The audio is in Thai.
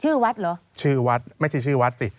วัดเหรอชื่อวัดไม่ใช่ชื่อวัดสิ